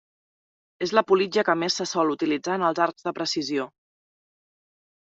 És la politja que més se sol utilitzar en els arcs de precisió.